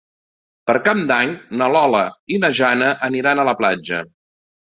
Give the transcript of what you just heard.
Per Cap d'Any na Lola i na Jana aniran a la platja.